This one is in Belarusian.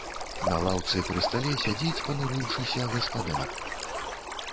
На лаўцы пры стале сядзіць, панурыўшыся, гаспадар.